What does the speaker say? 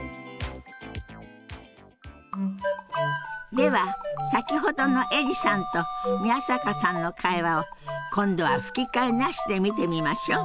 では先ほどのエリさんと宮坂さんの会話を今度は吹き替えなしで見てみましょう。